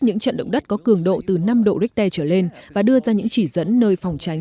những trận động đất có cường độ từ năm độ richter trở lên và đưa ra những chỉ dẫn nơi phòng tránh